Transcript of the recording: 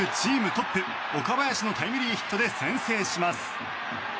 トップ岡林のタイムリーヒットで先制します。